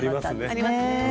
ありますね。